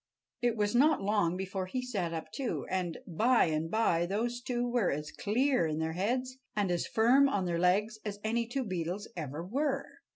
It was not long before he sat up, too; and by and by those two were as clear in their heads and as firm on their legs as any two beetles ever were.